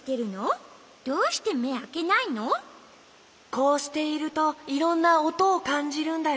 こうしているといろんなおとをかんじるんだよ。